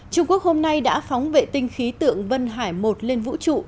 trung quốc hôm nay đã phóng vệ tinh khí tượng vân hải một lên vũ trụ